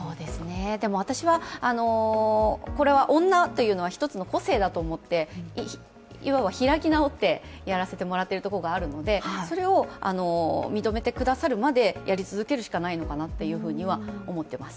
私は、これは女というのは一つの個性だと思って、いわば開き直ってやらせてもらっているところがあるのでそれを認めてくださるまでやり続けるしかないのかなというふうには思っています。